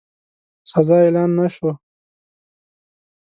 سزا اعلان نه شوه.